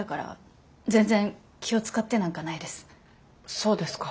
そうですか。